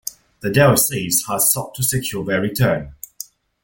The diocese has sought to secure their return.